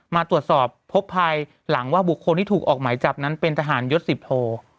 มาตรวจสอบพบภายหลังว่าบุคคลที่ถูกออกหมายจับนั้นเป็นทหารยศสิบโท